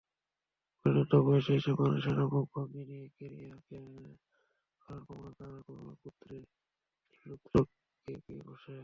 পরিণত বয়সে এসে মানুষের মুখভঙ্গি নিয়ে ক্যারিকেচার করার প্রবণতা লোত্রেককে পেয়ে বসে।